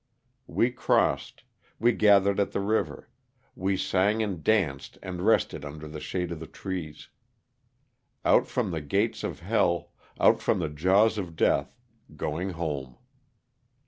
We crossed ; we gathered at the river ; we sang and danced and rested under the shade of the trees. Out from the gates of hell — out from the jaws of death — going home.